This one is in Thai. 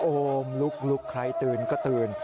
โอ้โหลุกใครตื่นก็ตื่น